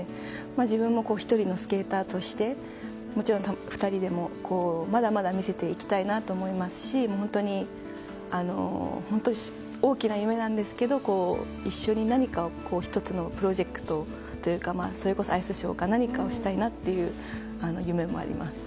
自分も１人のスケーターとしてもちろん、２人でもまだまだ見せていきたいなと思いますし本当、大きな夢なんですけど一緒に何か１つのプロジェクトというかそれこそアイスショーか何かをしたいなという夢もあります。